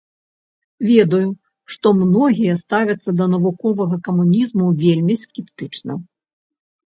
Ведаю, што многія ставяцца да навуковага камунізму вельмі скептычна.